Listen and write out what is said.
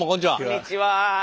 こんにちは。